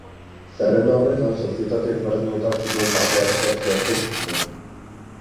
Zerrenda horretan sozietate ezberdinetan zituen parte-hartzeak zehazten zituen.